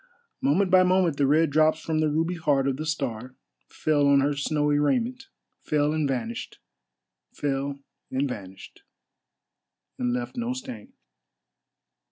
Moment by moment the red drops from the ruby heart of the star fell on her snowy raiment, fell and vanished,—fell and vanished,—and left no stain.